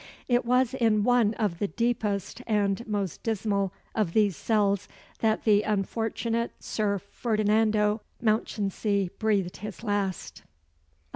It was in one of the deepest and most dismal of these cells that the unfortunate Sir Ferdinando Mounchensey breathed his last.